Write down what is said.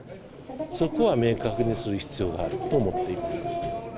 そこは明確にする必要があると思っています。